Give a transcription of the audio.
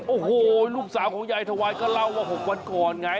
โอ้โหลูกสาวของยายทวายก็เล่าว่า๖วันก่อนไง